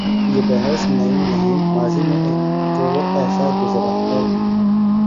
یہ بحث نئی نہیں، ماضی میں ایک دور ایسا گزرا ہے۔